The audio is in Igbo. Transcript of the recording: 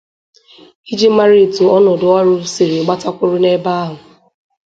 iji mara etu ọnọdụ ọrụ siri gbata kwụrụ n'ebe ahụ.